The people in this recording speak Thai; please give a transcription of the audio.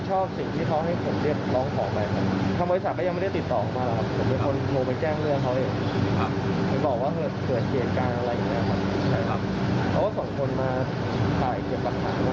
ใช่ครับเขาว่าสองคนมาส่ายเก็บรักษาเมื่อนั้นแหละครับ